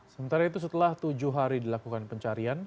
sementara itu setelah tujuh hari dilakukan pencarian